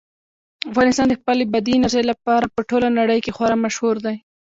افغانستان د خپلې بادي انرژي لپاره په ټوله نړۍ کې خورا مشهور دی.